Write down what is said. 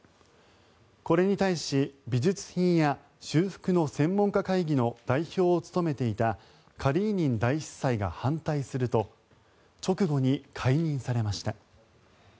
これに対し、美術品や修復の専門家会議の代表を務めていたカリーニン大司祭が反対すると直後に解任されました。